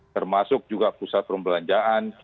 termasuk juga pusat perbelanjaan